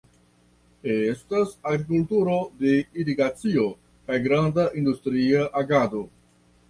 Estas agrikulturo de irigacio kaj granda industria agado.